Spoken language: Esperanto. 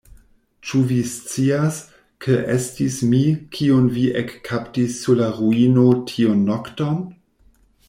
Ĉu vi scias, ke estis mi, kiun vi ekkaptis sur la ruino tiun nokton?